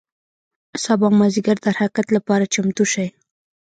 سبا مازدیګر د حرکت له پاره چمتو شئ.